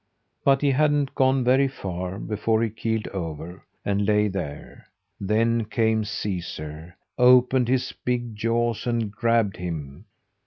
But he hadn't gone very far before he keeled over, and lay there. Then came Caesar, opened his big jaws and grabbed him.